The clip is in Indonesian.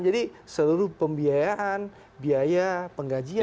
jadi seluruh pembiayaan biaya penggajian